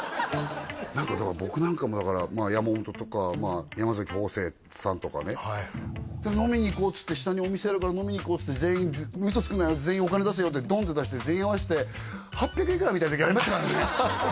僕なんかもだから山本とか山崎邦正さんとかね「飲みに行こう」っつって「下にお店あるから飲みに行こう」っつって「嘘つくなよ全員お金出せよ」ってドンッて出してみたいな時ありましたからね